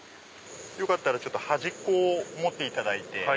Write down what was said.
よかったら端っこを持っていただいて。